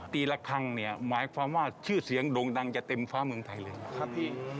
ละครั้งเนี่ยหมายความว่าชื่อเสียงโด่งดังจะเต็มฟ้าเมืองไทยเลยนะครับพี่